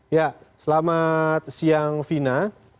ya selamat siang vina